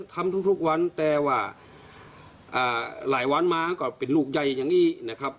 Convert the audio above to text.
ทำทุกวันแต่ว่าหลายวันมาก็เป็นลูกใหญ่อย่างนี้นะครับ